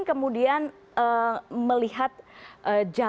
kemudian melihat jalan